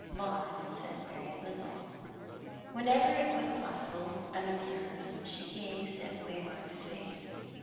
Maud said very little. Whenever it was possible unobserved, she gazed at Waymark's face.